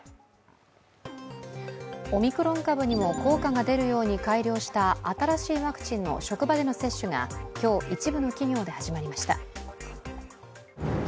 オミクロン株にも効果があるように改良した、新しいワクチンの職場での接種が今日、一部の企業で始まりました。